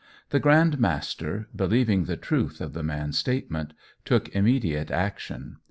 The Grand Master, believing the truth of the man's statement, took immediate action.